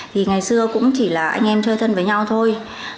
thì ngày xưa cũng chỉ là anh em chơi thân với nhau thôi